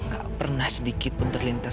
gak pernah sedikit pun terlintas